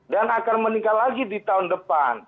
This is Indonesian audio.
dan akan meningkat lagi di tahun depan